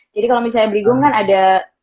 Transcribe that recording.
jadi kalau misalnya brigung kan ada